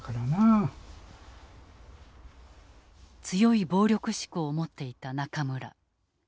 強い暴力志向を持っていた中村。